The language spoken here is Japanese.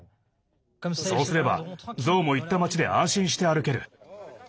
そうすれば、ゾウも行った街で安心して歩ける。